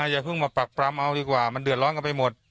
อย่าเพิ่งมาปรักปรำเอาดีกว่ามันเดือดร้อนกันไปหมด